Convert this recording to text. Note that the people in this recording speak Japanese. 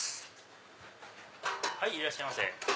いらっしゃいませ。